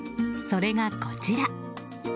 それがこちら。